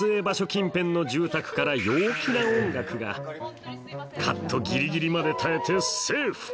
近辺の住宅からカットギリギリまで耐えてセーフ！